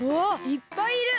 いっぱいいる！